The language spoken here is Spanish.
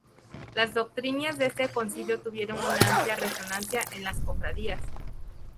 Las doctrinas de este Concilio tuvieron una amplia resonancia en las cofradías.